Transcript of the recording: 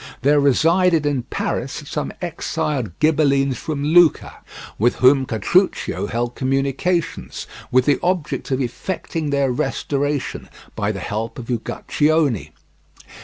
There resided in Paris some exiled Ghibellines from Lucca, with whom Castruccio held communications with the object of effecting their restoration by the help of Uguccione.